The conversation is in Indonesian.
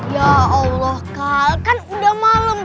ya allah khal kan udah malem